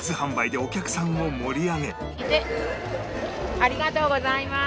ありがとうございます。